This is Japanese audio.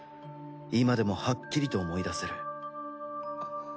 今でもはっきりと思い出せる。